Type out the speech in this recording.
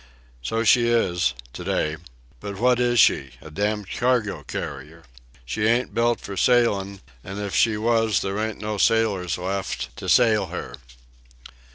"So she is ... to day. But what is she?—a damned cargo carrier. She ain't built for sailin', an' if she was there ain't no sailors left to sail her.